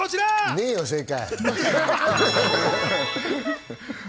ねえよ、正解。